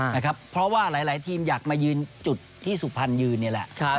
เพราะว่าหลายทีมอยากมายืนจุดที่สุพรรณยืนนี่แหละ